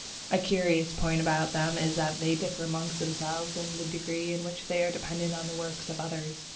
A curious point about them is that they differ amongst themselves in the degree in which they are dependent on the work of others.